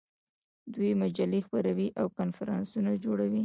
دوی مجلې خپروي او کنفرانسونه جوړوي.